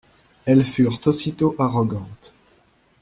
Elles furent aussitôt arrogantes.